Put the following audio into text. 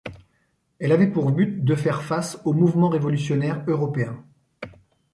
Elle avait pour but de faire face aux mouvements révolutionnaires européens.